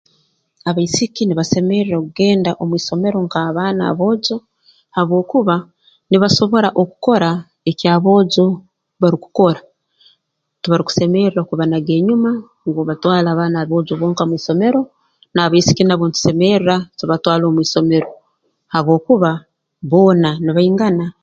Abaisiki nibasemerra okugenda omu isomero nk'abaana aboojo habwokuba nibasobora okukora eki aboojo barukukora tibarukusemerra kubanaga enyuma ngu obatwale abaana aboojo bonka mu isomero n'abaisiki nabo ntusemerra tubatwale omu isomero habwokuba boona nibaingana